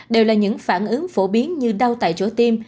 đều là những phản ứng phổ biến như đau tại chỗ tim